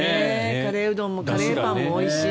カレーうどんもカレーパンもおいしい。